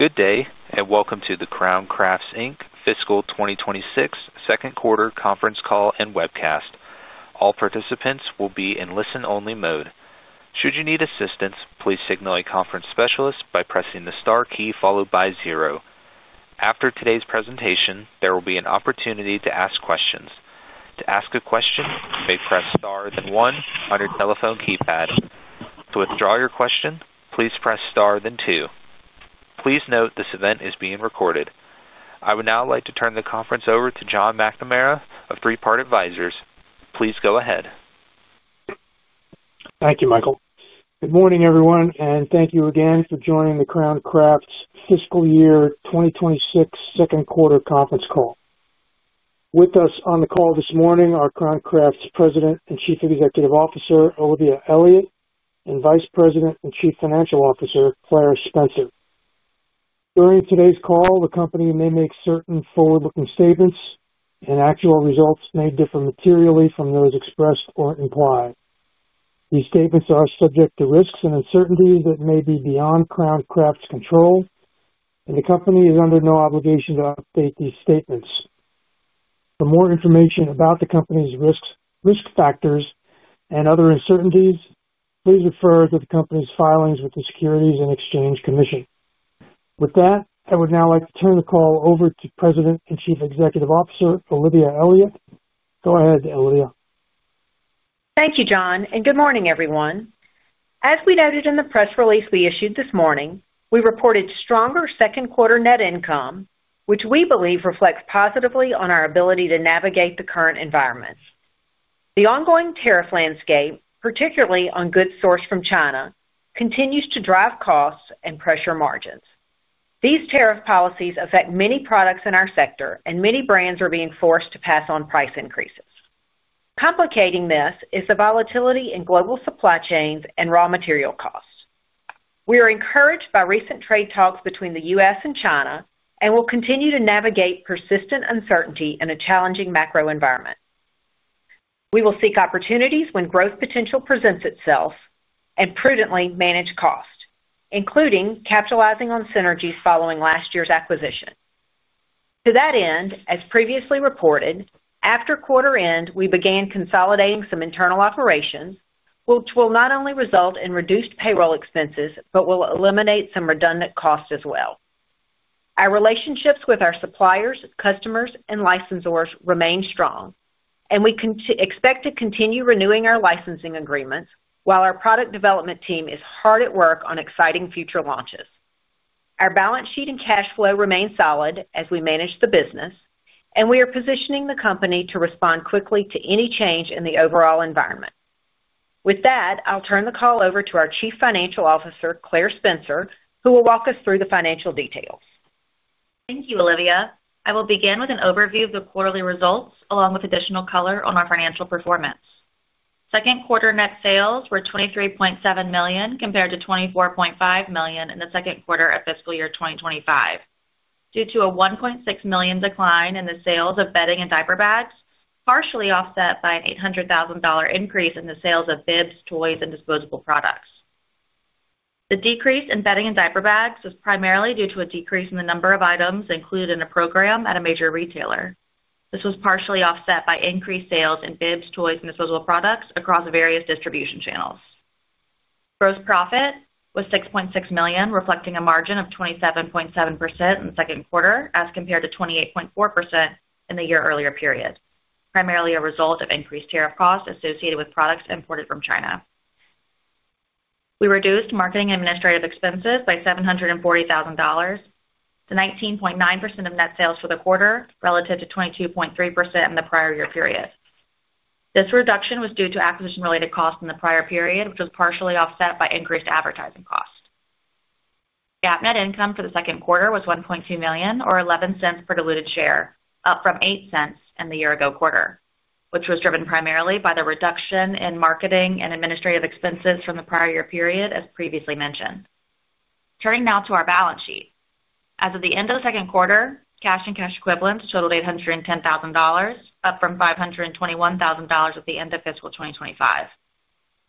Good day, and welcome to the Crown Crafts Fiscal 2026 Second Quarter Conference Call and Webcast. All participants will be in listen-only mode. Should you need assistance, please signal a conference specialist by pressing the star key followed by zero. After today's presentation, there will be an opportunity to ask questions. To ask a question, you may press star then one on your telephone keypad. To withdraw your question, please press star then two. Please note this event is being recorded. I would now like to turn the conference over to John McNamara of Three Part Advisors. Please go ahead. Thank you, Michael. Good morning, everyone, and thank you again for joining the Crown Crafts Fiscal Year 2026 Second Quarter Conference Call. With us on the call this morning are Crown Crafts President and Chief Executive Officer Olivia Elliott and Vice President and Chief Financial Officer Claire Spencer. During today's call, the company may make certain forward-looking statements, and actual results may differ materially from those expressed or implied. These statements are subject to risks and uncertainties that may be beyond Crown Crafts' control, and the company is under no obligation to update these statements. For more information about the company's risk factors and other uncertainties, please refer to the company's filings with the Securities and Exchange Commission. With that, I would now like to turn the call over to President and Chief Executive Officer Olivia Elliott. Go ahead, Olivia. Thank you, John, and good morning, everyone. As we noted in the press release we issued this morning, we reported stronger second quarter net income, which we believe reflects positively on our ability to navigate the current environment. The ongoing tariff landscape, particularly on goods sourced from China, continues to drive costs and pressure margins. These tariff policies affect many products in our sector, and many brands are being forced to pass on price increases. Complicating this is the volatility in global supply chains and raw material costs. We are encouraged by recent trade talks between the U.S. and China and will continue to navigate persistent uncertainty in a challenging macro environment. We will seek opportunities when growth potential presents itself and prudently manage cost, including capitalizing on synergies following last year's acquisition. To that end, as previously reported, after quarter end, we began consolidating some internal operations, which will not only result in reduced payroll expenses but will eliminate some redundant costs as well. Our relationships with our suppliers, customers, and licensors remain strong, and we expect to continue renewing our licensing agreements while our product development team is hard at work on exciting future launches. Our balance sheet and cash flow remain solid as we manage the business, and we are positioning the company to respond quickly to any change in the overall environment. With that, I'll turn the call over to our Chief Financial Officer, Claire Spencer, who will walk us through the financial details. Thank you, Olivia. I will begin with an overview of the quarterly results along with additional color on our financial performance. Second quarter net sales were $23.7 million compared to $24.5 million in the second quarter of fiscal year 2025, due to a $1.6 million decline in the sales of bedding and diaper bags, partially offset by an $800,000 increase in the sales of bibs, toys, and disposable products. The decrease in bedding and diaper bags was primarily due to a decrease in the number of items included in the program at a major retailer. This was partially offset by increased sales in bibs, toys, and disposable products across various distribution channels. Gross profit was $6.6 million, reflecting a margin of 27.7% in the second quarter as compared to 28.4% in the year earlier period, primarily a result of increased tariff costs associated with products imported from China. We reduced marketing and administrative expenses by $740,000 to 19.9% of net sales for the quarter, relative to 22.3% in the prior year period. This reduction was due to acquisition-related costs in the prior period, which was partially offset by increased advertising costs. GAAP net income for the second quarter was $1.2 million, or $0.11 per diluted share, up from $0.08 in the year-ago quarter, which was driven primarily by the reduction in marketing and administrative expenses from the prior year period, as previously mentioned. Turning now to our balance sheet. As of the end of the second quarter, cash and cash equivalents totaled $810,000, up from $521,000 at the end of fiscal 2025.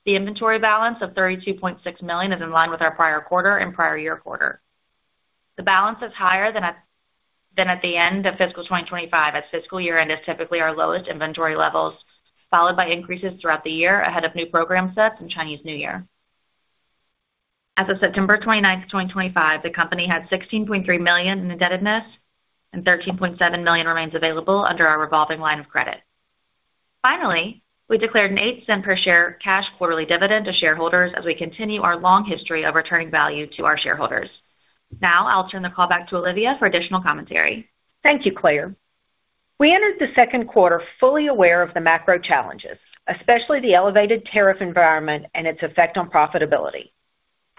The inventory balance of $32.6 million is in line with our prior quarter and prior year quarter. The balance is higher than at the end of fiscal 2025, as fiscal year end is typically our lowest inventory levels, followed by increases throughout the year ahead of new program sets and Chinese New Year. As of September 29th, 2025, the company had $16.3 million in indebtedness, and $13.7 million remains available under our revolving line of credit. Finally, we declared a $0.08 per share cash quarterly dividend to shareholders as we continue our long history of returning value to our shareholders. Now I'll turn the call back to Olivia for additional commentary. Thank you, Claire. We entered the second quarter fully aware of the macro challenges, especially the elevated tariff environment and its effect on profitability.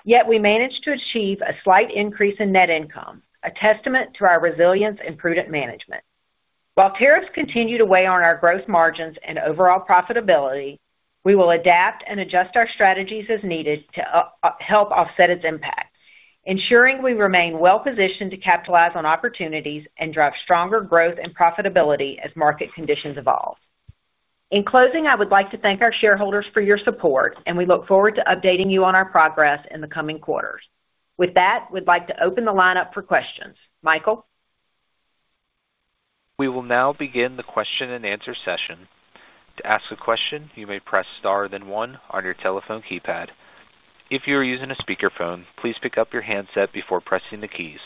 Yet we managed to achieve a slight increase in net income, a testament to our resilience and prudent management. While tariffs continue to weigh on our gross margins and overall profitability, we will adapt and adjust our strategies as needed to help offset its impact, ensuring we remain well-positioned to capitalize on opportunities and drive stronger growth and profitability as market conditions evolve. In closing, I would like to thank our shareholders for your support, and we look forward to updating you on our progress in the coming quarters. With that, we'd like to open the line up for questions. Michael. We will now begin the question-and-answer session. To ask a question, you may press star then one on your telephone keypad. If you are using a speakerphone, please pick up your handset before pressing the keys.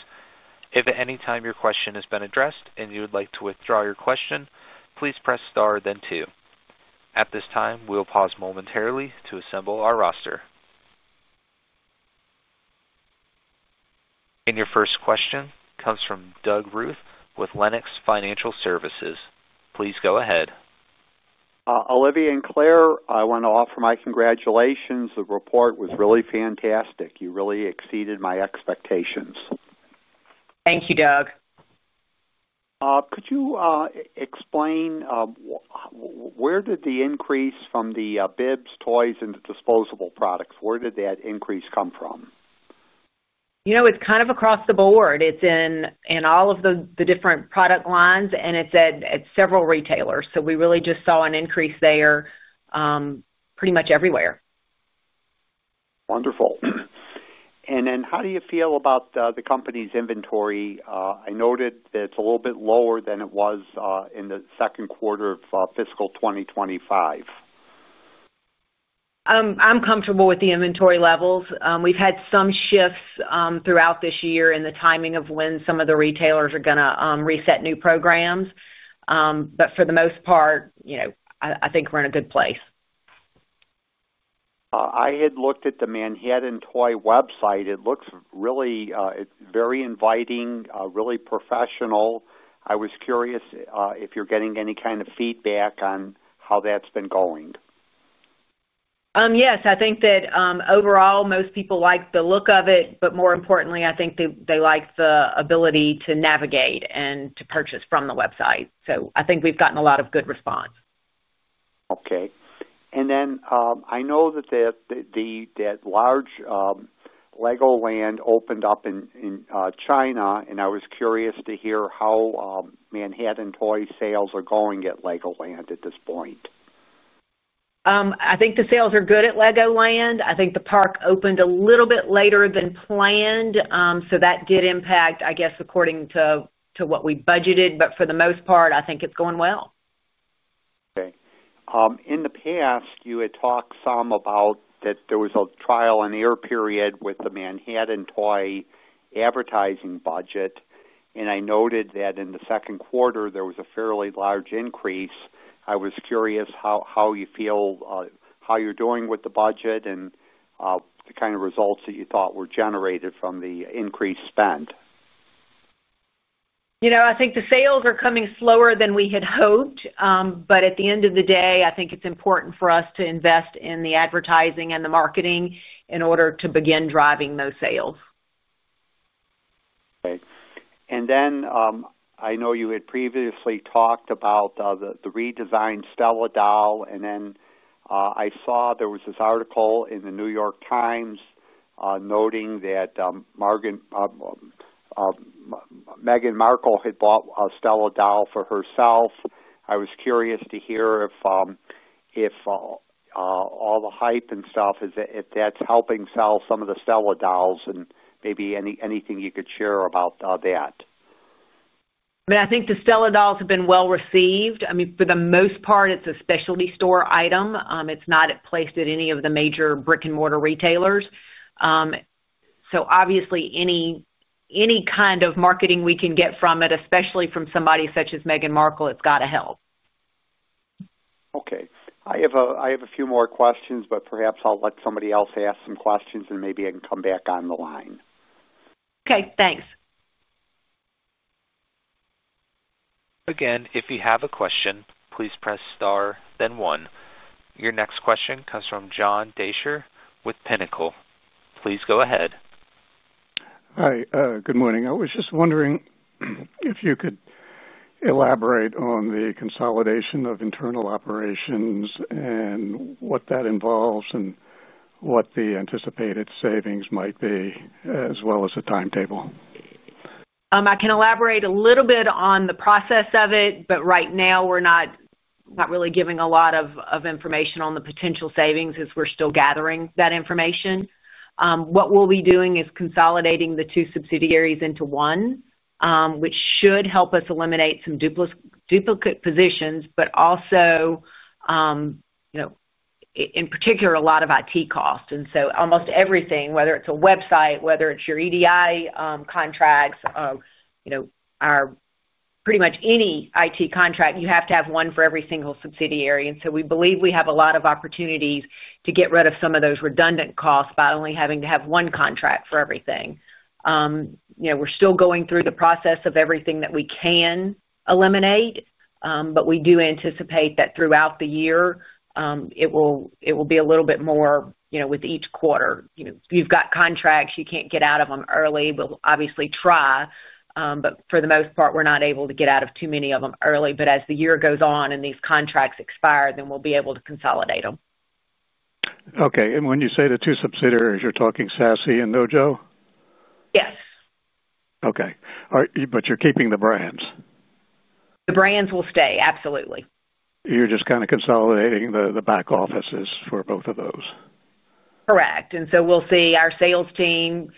If at any time your question has been addressed and you would like to withdraw your question, please press star then two. At this time, we will pause momentarily to assemble our roster. Your first question comes from Doug Ruth with Lenox Financial Services. Please go ahead. Olivia and Claire, I want to offer my congratulations. The report was really fantastic. You really exceeded my expectations. Thank you, Doug. Could you explain where did the increase from the bibs, toys, and disposable products, where did that increase come from? You know, it's kind of across the board. It's in all of the different product lines, and it's at several retailers. So we really just saw an increase there pretty much everywhere. Wonderful. And then how do you feel about the company's inventory? I noted that it's a little bit lower than it was in the second quarter of fiscal 2025. I'm comfortable with the inventory levels. We've had some shifts throughout this year in the timing of when some of the retailers are going to reset new programs. For the most part, you know, I think we're in a good place. I had looked at the Manhattan Toy website. It looks really very inviting, really professional. I was curious if you're getting any kind of feedback on how that's been going. Yes, I think that overall, most people like the look of it, but more importantly, I think they like the ability to navigate and to purchase from the website. I think we've gotten a lot of good response. Okay. I know that that large Legoland opened up in China, and I was curious to hear how Manhattan Toy sales are going at Legoland at this point. I think the sales are good at Legoland. I think the park opened a little bit later than planned, so that did impact, I guess, according to what we budgeted. For the most part, I think it's going well. Okay. In the past, you had talked some about that there was a trial and error period with the Manhattan Toy advertising budget, and I noted that in the second quarter, there was a fairly large increase. I was curious how you feel, how you're doing with the budget and the kind of results that you thought were generated from the increased spend. You know, I think the sales are coming slower than we had hoped, but at the end of the day, I think it's important for us to invest in the advertising and the marketing in order to begin driving those sales. Okay. I know you had previously talked about the redesigned Stella Doll, and then I saw there was this article in The New York Times noting that Meghan Markle had bought a Stella Doll for herself. I was curious to hear if all the hype and stuff, if that's helping sell some of the Stella Dolls and maybe anything you could share about that. I mean, I think the Stella Dolls have been well received. I mean, for the most part, it's a specialty store item. It's not placed at any of the major brick-and-mortar retailers. Obviously, any kind of marketing we can get from it, especially from somebody such as Meghan Markle, it's got to help. Okay. I have a few more questions, but perhaps I'll let somebody else ask some questions and maybe I can come back on the line. Okay. Thanks. Again, if you have a question, please press star then one. Your next question comes from John Deysher with Pinnacle. Please go ahead. Hi. Good morning. I was just wondering if you could elaborate on the consolidation of internal operations and what that involves and what the anticipated savings might be, as well as a timetable. I can elaborate a little bit on the process of it, but right now, we're not really giving a lot of information on the potential savings as we're still gathering that information. What we'll be doing is consolidating the two subsidiaries into one, which should help us eliminate some duplicate positions, but also, you know, in particular, a lot of IT costs. And so almost everything, whether it's a website, whether it's your EDI contracts, you know, pretty much any IT contract, you have to have one for every single subsidiary. And so we believe we have a lot of opportunities to get rid of some of those redundant costs by only having to have one contract for everything. You know, we're still going through the process of everything that we can eliminate, but we do anticipate that throughout the year, it will be a little bit more, you know, with each quarter. You have contracts, you can't get out of them early. We'll obviously try, but for the most part, we're not able to get out of too many of them early. As the year goes on and these contracts expire, then we'll be able to consolidate them. Okay. And when you say the two subsidiaries, you're talking Sassy and NoJo? Yes. Okay. But you're keeping the brands? The brands will stay. Absolutely. You're just kind of consolidating the back offices for both of those? Correct. You know, we'll see our sales team,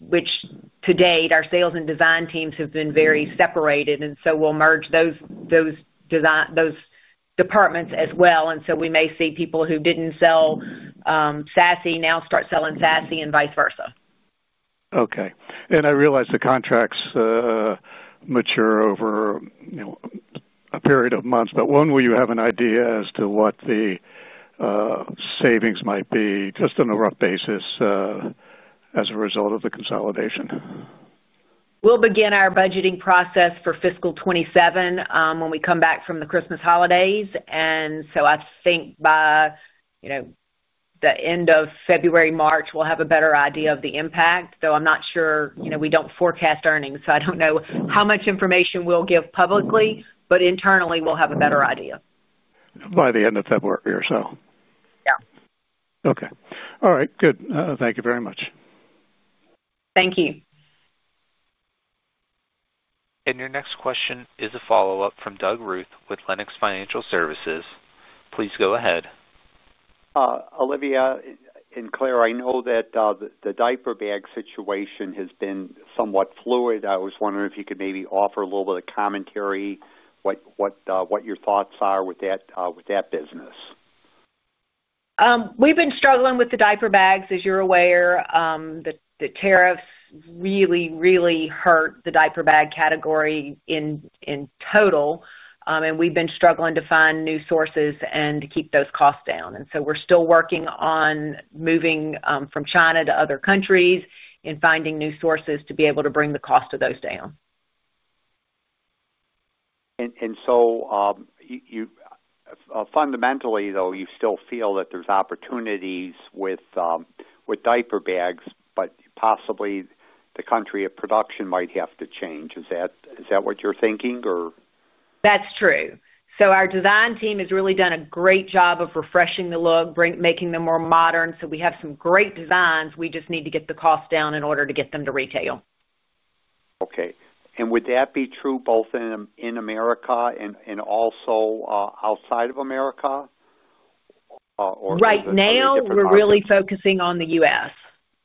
which to date, our sales and design teams have been very separated, and we'll merge those departments as well. We may see people who did not sell Sassy now start selling Sassy and vice versa. Okay. I realize the contracts mature over, you know, a period of months, but when will you have an idea as to what the savings might be, just on a rough basis, as a result of the consolidation? We'll begin our budgeting process for fiscal 2027 when we come back from the Christmas holidays. I think by, you know, the end of February, March, we'll have a better idea of the impact, though I'm not sure, you know, we don't forecast earnings, so I don't know how much information we'll give publicly, but internally, we'll have a better idea. By the end of February or so. Yeah. Okay. All right. Good. Thank you very much. Thank you. Your next question is a follow-up from Doug Ruth with Lenox Financial Services. Please go ahead. Olivia and Claire, I know that the diaper bag situation has been somewhat fluid. I was wondering if you could maybe offer a little bit of commentary, what your thoughts are with that business. We've been struggling with the diaper bags, as you're aware. The tariffs really, really hurt the diaper bag category in total, and we've been struggling to find new sources and to keep those costs down. We are still working on moving from China to other countries and finding new sources to be able to bring the cost of those down. Fundamentally, though, you still feel that there's opportunities with diaper bags, but possibly the country of production might have to change. Is that what you're thinking, or? That's true. Our design team has really done a great job of refreshing the look, making them more modern. We have some great designs. We just need to get the cost down in order to get them to retail. Okay. Would that be true both in America and also outside of America, or? Right now, we're really focusing on the U.S.,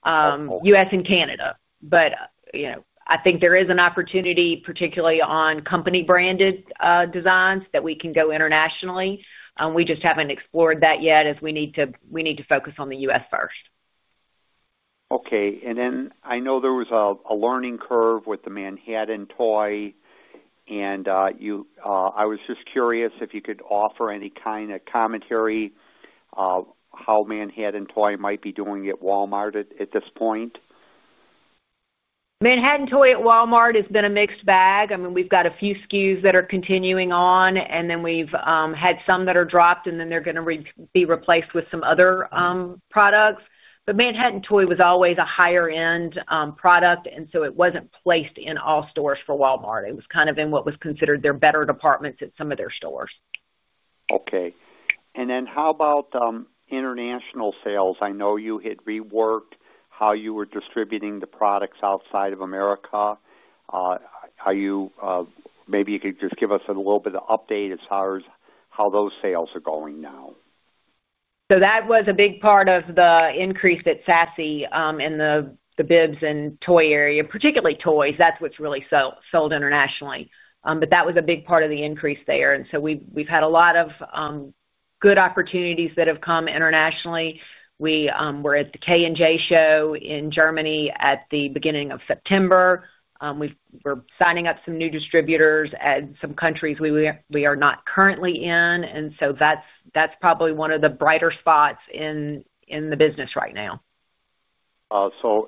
U.S. and Canada. But, you know, I think there is an opportunity, particularly on company-branded designs, that we can go internationally. We just haven't explored that yet, as we need to focus on the U.S. first. Okay. I know there was a learning curve with the Manhattan Toy, and I was just curious if you could offer any kind of commentary on how Manhattan Toy might be doing at Walmart at this point. Manhattan Toy at Walmart has been a mixed bag. I mean, we've got a few SKUs that are continuing on, and then we've had some that are dropped, and then they're going to be replaced with some other products. Manhattan Toy was always a higher-end product, and so it wasn't placed in all stores for Walmart. It was kind of in what was considered their better departments at some of their stores. Okay. How about international sales? I know you had reworked how you were distributing the products outside of America. Maybe you could just give us a little bit of update as far as how those sales are going now. That was a big part of the increase at Sassy in the bibs and toy area, particularly toys. That's what's really sold internationally. That was a big part of the increase there. We've had a lot of good opportunities that have come internationally. We were at the K+J show in Germany at the beginning of September. We're signing up some new distributors at some countries we are not currently in. That's probably one of the brighter spots in the business right now. The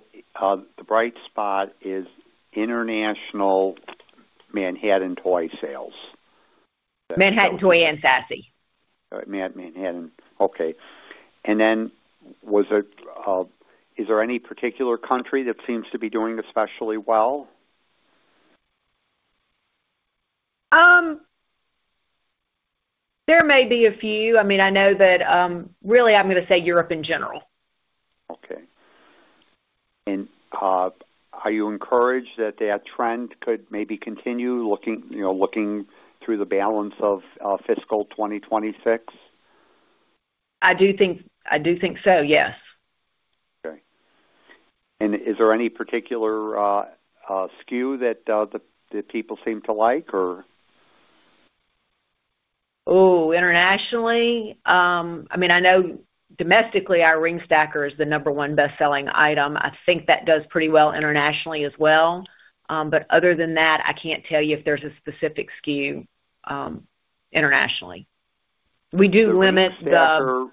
bright spot is international Manhattan Toy sales. Manhattan Toy and Sassy. Manhattan. Okay. Is there any particular country that seems to be doing especially well? There may be a few. I mean, I know that really, I'm going to say Europe in general. Okay. Are you encouraged that that trend could maybe continue, you know, looking through the balance of fiscal 2026? I do think so, yes. Okay. Is there any particular SKU that people seem to like, or? Oh, internationally? I mean, I know domestically, our ring stacker is the number one best-selling item. I think that does pretty well internationally as well. Other than that, I can't tell you if there's a specific SKU internationally. We do limit the.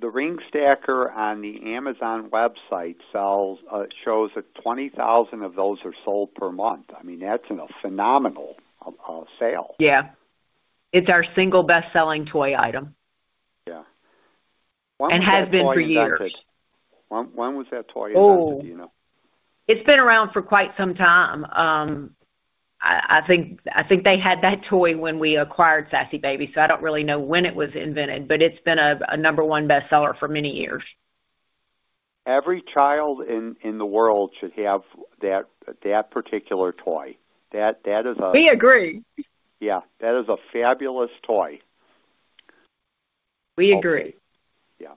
The ring stacker on the Amazon website shows that 20,000 of those are sold per month. I mean, that's a phenomenal sale. Yeah. It's our single best-selling toy item. Yeah. Has been for years. When was that toy? Oh. It's been around for quite some time. I think they had that toy when we acquired Sassy Baby, so I don't really know when it was invented, but it's been a number one best-seller for many years. Every child in the world should have that particular toy. That is a. We agree. Yeah. That is a fabulous toy. We agree. Yeah.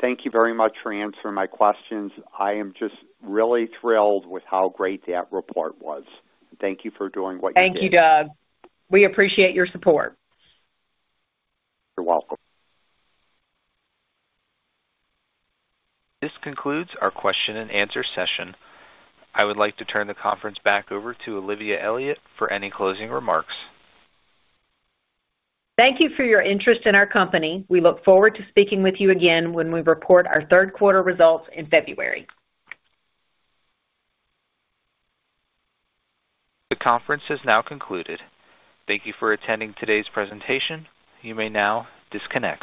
Thank you very much for answering my questions. I am just really thrilled with how great that report was. Thank you for doing what you did. Thank you, Doug. We appreciate your support. You're welcome. This concludes our question-and-answer session. I would like to turn the conference back over to Olivia Elliott for any closing remarks. Thank you for your interest in our company. We look forward to speaking with you again when we report our third quarter results in February. The conference has now concluded. Thank you for attending today's presentation. You may now disconnect.